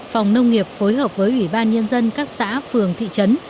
phòng nông nghiệp phối hợp với ủy ban nhân dân các xã phường thị trấn